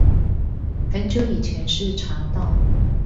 很久以前是查到